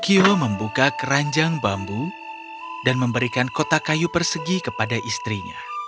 kio membuka keranjang bambu dan memberikan kotak kayu persegi kepada istrinya